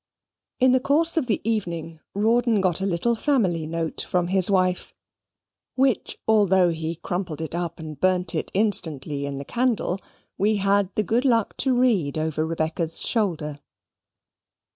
In the course of the evening Rawdon got a little family note from his wife, which, although he crumpled it up and burnt it instantly in the candle, we had the good luck to read over Rebecca's shoulder.